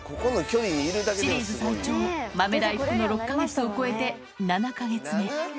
シリーズ最長、豆大福の６か月を超えて７か月目。